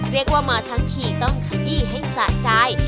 เรียกว่ามาทั้งทีต้องขยี้ให้สะใจ